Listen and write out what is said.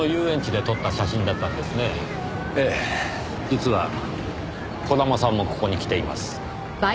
実は児玉さんもここに来ています。